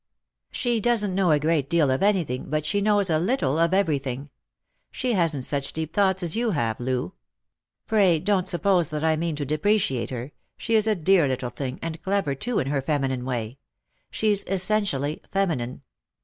" She doesn't know a great deal of anything, but she knows a little of everything. She hasn't such deep thoughts as you have, Loo. Pray don't suppose that I mean to depreciate her ; she is a dear little thing, and clever too in her feminine way ; she's essentially feminine.